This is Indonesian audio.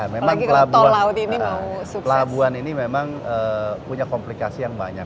memang pelabuhan ini memang punya komplikasi yang banyak